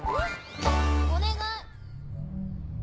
お願い！